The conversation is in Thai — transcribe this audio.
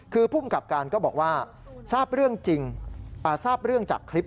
คือผู้มกับการก็บอกว่าทราบเรื่องจากคลิป